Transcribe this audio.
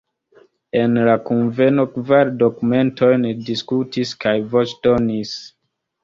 En la kunveno kvar dokumentojn diskutis kaj voĉdonis.